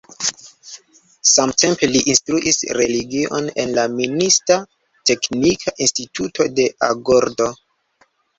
Samtempe, li instruis religion en la minista teknika instituto de Agordo.